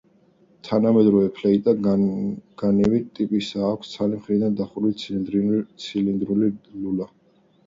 თანამედროვე ფლეიტა განივი ტიპისაა; აქვს ცალი მხრიდან დახურული ცილინდრული ლულა.